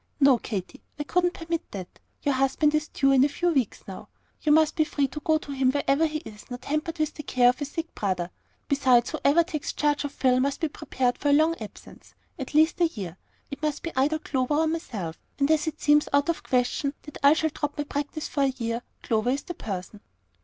"No, Katy, I couldn't permit that. Your husband is due in a few weeks now. You must be free to go to him wherever he is, not hampered with the care of a sick brother. Besides, whoever takes charge of Phil must be prepared for a long absence, at least a year. It must be either Clover or myself; and as it seems out of the question that I shall drop my practice for a year, Clover is the person."